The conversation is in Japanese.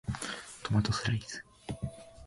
トマトスライス